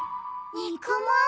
肉まん？